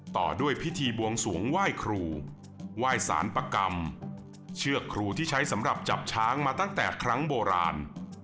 ต่อด้วยพิธีบวงสวงไหว้ครูไหว้สารประกรรมเชือกครูที่ใช้สำหรับจับช้างมาตั้งแต่ครั้งโบราณ